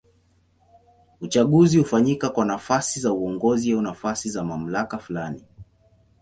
Uchaguzi hufanyika kwa nafasi za uongozi au nafasi za mamlaka fulani.